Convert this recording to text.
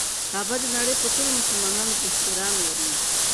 کعبه د نړۍ په ټولو مسلمانانو کې احترام لري.